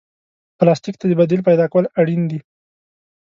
پلاستيک ته د بدیل پیدا کول اړین دي.